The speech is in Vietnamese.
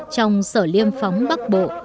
trong sở liêm phóng bắc bộ